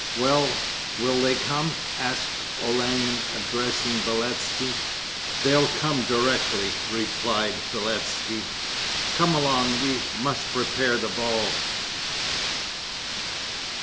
'Well, will they come?' asked Olenin, addressing Beletski. 'They'll come directly,' replied Beletski. 'Come along, we must prepare the ball.'